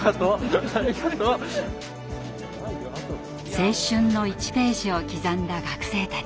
青春の１ページを刻んだ学生たち。